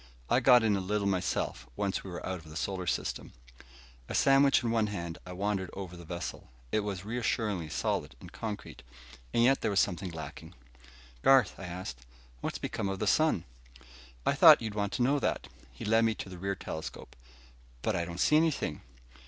I got in a little myself, once we were out of the solar system." A sandwich in one hand, I wandered over the vessel. It was reassuringly solid and concrete. And yet there was something lacking. "Garth," I asked, "what's become of the sun?" "I thought you'd want to know that." He led me to the rear telescope. "But I don't see anything."